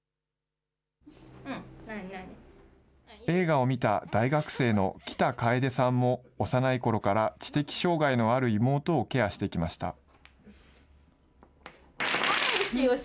映画を見た大学生の喜多楓さんも幼いころから知的障害のある妹をケアしてきました。